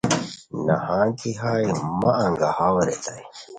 نہنگ کی ہائے مہ انگاہاوے ریتائے